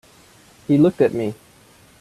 He looked at me.